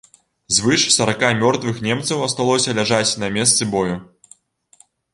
Звыш сарака мёртвых немцаў асталося ляжаць на месцы бою.